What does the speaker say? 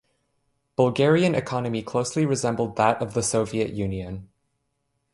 Bulgarian economy closely resembled that of the Soviet Union.